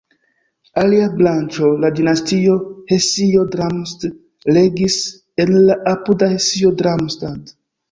Alia branĉo, la dinastio Hesio-Darmstadt regis en la apuda Hesio-Darmstadt.